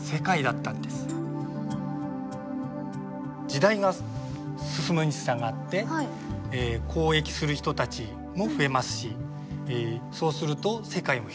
時代が進むにしたがって交易する人たちも増えますしそうすると世界も広がっていくわけです。